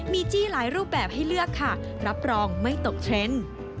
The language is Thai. มีจี้หลายรูปแบบให้เลือกค่ะรับรองไม่ตกเทรนด์